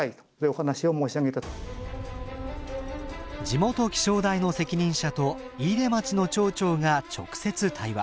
地元気象台の責任者と飯豊町の町長が直接対話。